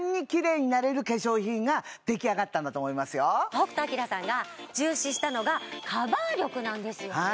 北斗晶さんが重視したのがカバー力なんですよね